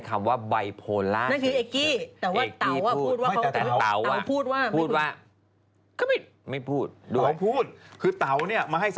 ก็คือเขา